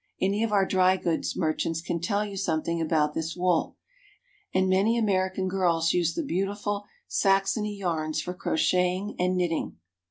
Any of our dry goods merchants can tell you something about this wool, and many American girls use the beautiful Saxony yarns for crocheting and knitting.